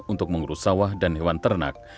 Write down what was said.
untuk mengurus sawah dan hewan ternak